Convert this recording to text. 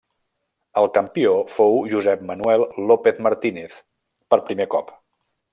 El campió fou Josep Manuel López Martínez per primer cop.